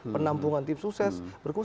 penampungan tim sukses berkumpul